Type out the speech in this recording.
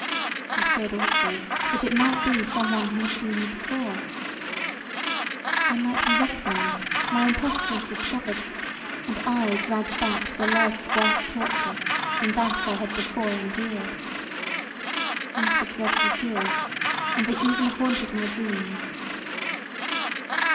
I feared also that it might be some one who had seen me before: I might be recognized, my impostures discovered and I dragged back to a life of worse torture than that I had before endured. These were dreadful fears and they even haunted my dreams.